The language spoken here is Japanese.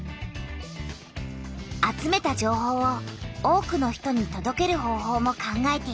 集めた情報を多くの人にとどける方ほうも考えている。